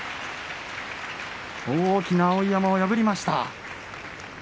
大きな碧山を破りました。